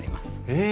え！